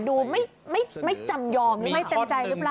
ดูไม่จำยอมหรือไม่เต็มใจหรือเปล่า